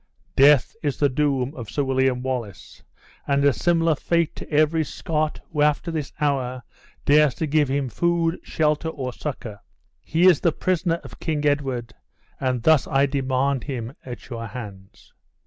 Death is the doom of Sir William Wallace, and a similar fate to every Scot who after this hour dares to give him food, shelter, or succor. He is the prisoner of King Edward, and thus I demand him at your hands!"